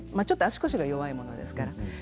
ちょっと足腰が弱いものですから。